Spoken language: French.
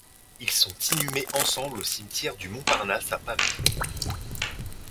Ils sont inhumés ensemble au cimetière du Montparnasse à Paris.